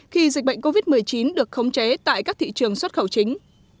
khi dịch bệnh covid một mươi chín được khống chế tại các thị trường xuất khẩu chính